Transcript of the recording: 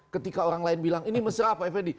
ketika orang lain bilang ini mesra pak effendi